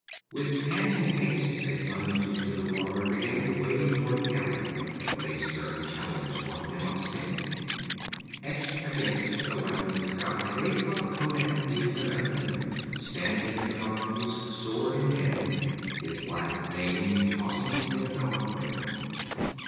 With panting haste they plunged into the water and began to wade toward the galley, when a stern challenge brought them up standing. Etched against the whitening sky they saw Conan the Cimmerian standing in the bows, sword in hand, his black mane tossing in the dawn wind.